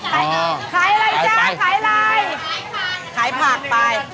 ขายผักขายผักไป